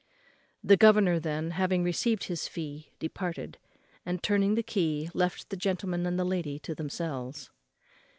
The governor, then, having received his fee, departed; and, turning the key, left the gentleman and the lady to themselves.